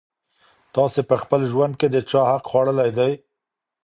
تاسي په خپل ژوند کي د چا حق خوړلی دی؟